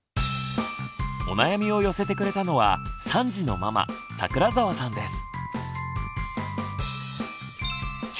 お悩みを寄せてくれたのは３児のママ櫻澤さんです。